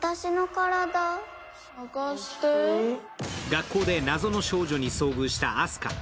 学校で謎の少女に遭遇した明日香。